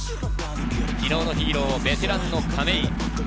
昨日のヒーロー、ベテラン・亀井。